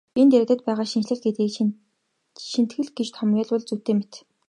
Энд яригдаад байгаа шинэчлэл гэдгийг шинэтгэл гэж томьёолбол зүйтэй мэт.